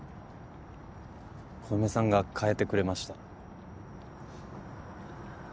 小梅さんが変えてくれました。